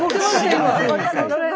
今。